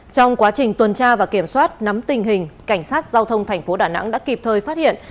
trong quá trình tuần tra và kiểm soát nắm tình hình cảnh sát giao thông thành phố đà nẵng đã kịp thời phát hiện